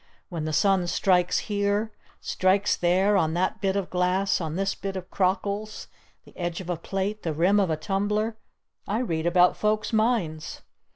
When the Sun strikes here, strikes there, on that bit of glass, on this bit of crockles the edge of a plate, the rim of a tumbler, I read about folk's minds!